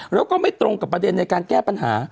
แล้วก็ไม่ตรงกับประเด็นในการแก้ปัญหา